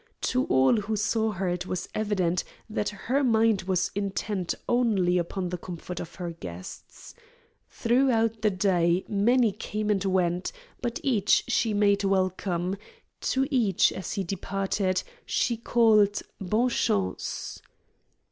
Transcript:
To all who saw her it was evident that her mind was intent only upon the comfort of her guests. Throughout the day many came and went, but each she made welcome; to each as he departed she called "bonne chance."